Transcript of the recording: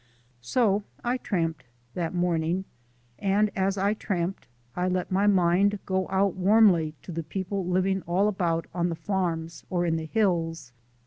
So I tramped that morning; and as I tramped I let my mind go out warmly to the people living all about on the farms or in the hills.